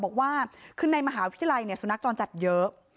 บอกว่าคือในมหาวิทยาลัยสุนัขจรจัดเยอะ